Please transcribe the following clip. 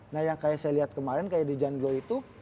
nah yang kayak saya lihat kemarin kayak the john dan glo itu